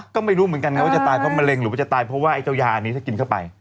ก็ไม่รู้เหมือนกันนะว่าจะตายเพราะมะเร็งหรือว่าจะตายเพราะว่าไอ้เจ้ายาอันนี้ถ้ากินเข้าไป